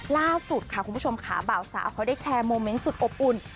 ล่าสุดค่ะคุณผู้ชมค่ะบ่าวสาวเขาได้แชร์โมเมนต์สุดอบอุ่น